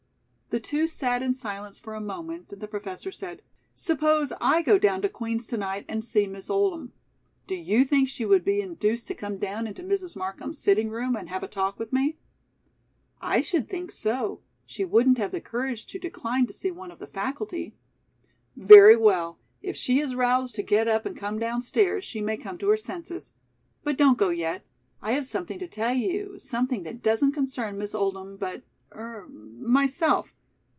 The two sat in silence for a moment, then the Professor said: "Suppose I go down to Queen's to night and see Miss Oldham? Do you think she could be induced to come down into Mrs. Markham's sitting room and have a talk with me?" "I should think so. She wouldn't have the courage to decline to see one of the faculty." "Very well. If she is roused to get up and come down stairs, she may come to her senses. But don't go yet. I have something to tell you, something that doesn't concern Miss Oldham but er myself.